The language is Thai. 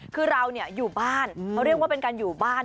คือเราอยู่บ้านเขาเรียกว่าเป็นการอยู่บ้าน